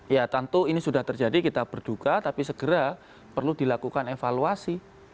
ya tentu ini sudah terjadi kita berduka tapi segera perlu dilakukan evaluasi